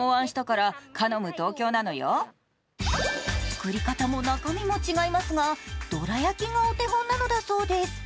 作り方も中身も違いますがどら焼きがお手本なのだそうです。